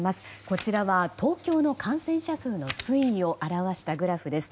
こちらは東京の感染者数の推移を表したグラフです。